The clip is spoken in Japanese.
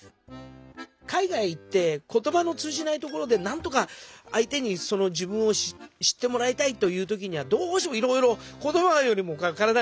海外行って言葉の通じないところでなんとかあい手に自分を知ってもらいたいという時にはどうしてもいろいろ言葉よりも体が出るという。